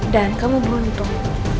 dan kamu beruntung